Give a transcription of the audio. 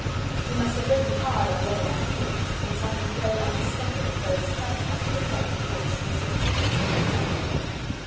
He must have ridden hard on the other one's heels, and something very unexpected and very sudden must have occurred to cause the Citizen to send this second note.